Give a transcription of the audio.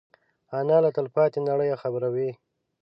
انا له تلپاتې نړۍ خبروي